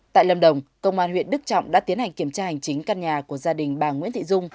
tại lâm đồng công an huyện đức trọng đã tiến hành kiểm tra hành chính căn nhà của gia đình bà nguyễn thị dung